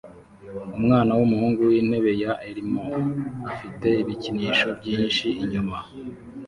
Umwana wumuhungu wintebe ya elmo afite ibikinisho byinshi inyuma